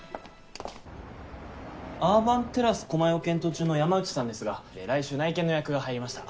・アーバンテラス狛江を検討中の山内さんですが来週内見の予約が入りました。